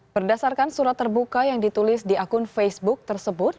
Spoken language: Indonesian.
berdasarkan surat terbuka yang ditulis di akun facebook tersebut